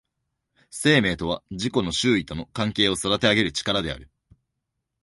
生命とは自己の周囲との関係を育てあげる力である。